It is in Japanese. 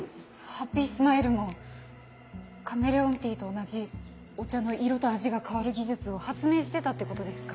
ハッピースマイルもカメレオンティーと同じお茶の色と味が変わる技術を発明してたってことですか？